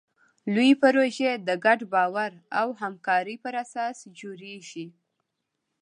لویې پروژې د ګډ باور او همکارۍ په اساس جوړېږي.